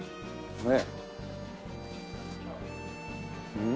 ねえ。